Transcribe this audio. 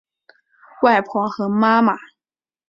外婆和妈妈